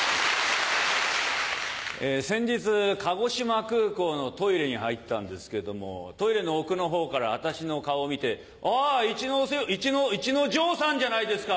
先日鹿児島空港のトイレに入ったんですけどもトイレの奥の方から私の顔を見て「あ！イチノイチノイチノジョウさんじゃないですか。